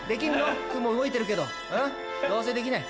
雲動いてるけどどうせできない。